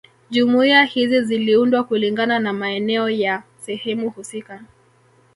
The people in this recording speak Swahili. Jumuiya hizi ziliundwa kulingana na maeneo ya sehemu husika